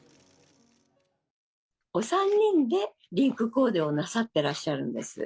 お３人でリンクコーデをなさってらっしゃるんです。